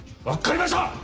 分っかりました！